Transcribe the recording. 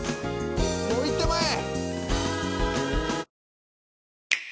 もういってまえ！